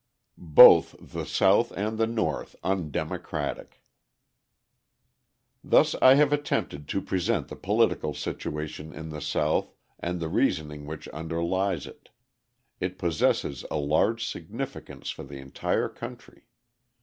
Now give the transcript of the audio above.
Both the South and the North Undemocratic Thus I have attempted to present the political situation in the South and the reasoning which underlies it. It possesses a large significance for the entire country.